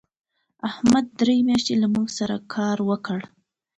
احمد درې میاشتې له موږ سره کار وکړ.